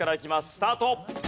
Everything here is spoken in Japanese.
スタート！